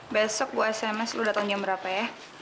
besok gue sms lo datang jam berapa ya